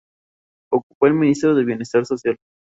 Ocupó el Ministro de Bienestar Social.